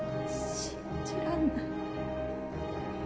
信じられない。